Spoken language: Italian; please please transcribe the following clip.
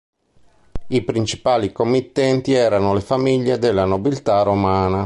I principali committenti erano le famiglie della nobiltà romana.